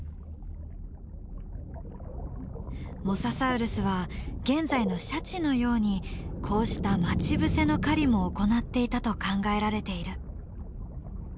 モササウルスは現在のシャチのようにこうした待ち伏せの狩りも行っていたと考えられている。